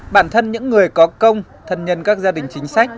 bản thân những người có công thân nhân các gia đình chính sách